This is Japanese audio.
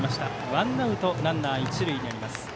ワンアウトランナー、一塁です。